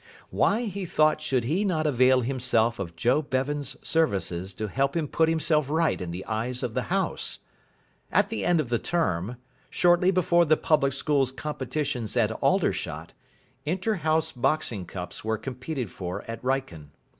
Why, he thought, should he not avail himself of Joe Bevan's services to help him put himself right in the eyes of the house? At the end of the term, shortly before the Public Schools' Competitions at Aldershot, inter house boxing cups were competed for at Wrykyn.